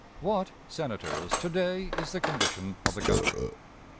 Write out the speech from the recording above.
What, Senators, to day is the condition of the country?